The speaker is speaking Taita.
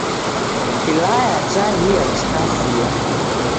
Kilaya chahia chikasiya